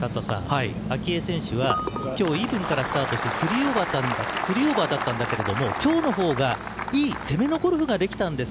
明愛選手は今日イーブンからスタートして３オーバーだったんですが今日の方がいい攻めのゴルフができたんです。